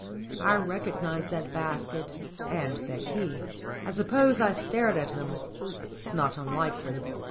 I recognized that basket and that key. I suppose I stared at him; it's not unlikely.